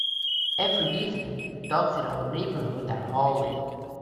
Every evening, the dogs in our neighbourhood are howling.